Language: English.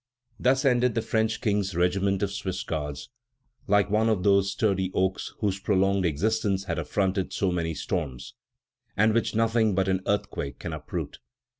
"Thus ended the French King's regiment of Swiss Guards, like one of those sturdy oaks whose prolonged existence has affronted so many storms, and which nothing but an earthquake can uproot.